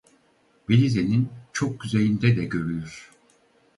Belize'nin çok kuzeyinde de görülür.